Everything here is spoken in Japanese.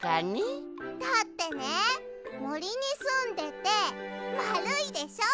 だってねもりにすんでてまるいでしょ？